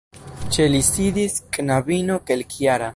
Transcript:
Ĉe li sidis knabino kelkjara.